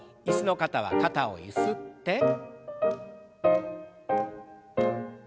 椅子の方は肩をゆすって。